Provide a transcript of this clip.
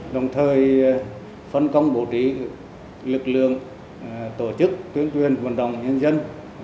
đồng thời phân công bổ trí lực lượng tổ chức tuyên truyền vận động nhân dân